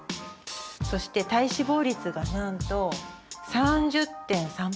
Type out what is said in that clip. そして体脂肪率がなんと３０．３％です。